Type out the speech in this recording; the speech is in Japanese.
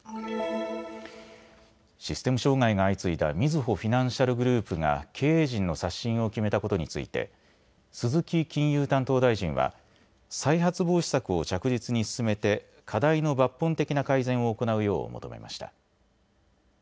システム障害が相次いだみずほフィナンシャルグループが経営陣の刷新を決めたことについて鈴木金融担当大臣は再発防止策を着実に進めて課題の抜本的な改善を行うよう求めました。